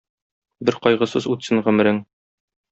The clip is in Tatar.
Бер кайгысыз үтсен гомерең.